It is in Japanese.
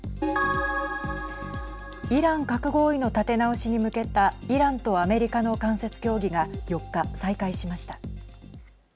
イラン核合意の立て直しに向けたイランとアメリカの間接協議が４日、再開しました。